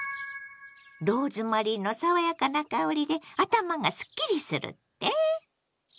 「ローズマリーの爽やかな香りで頭がすっきりする」って？